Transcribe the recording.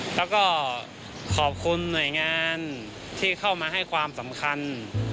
แล้วก็ขอบคุณหน่วยงานที่เข้ามาให้ความสำคัญ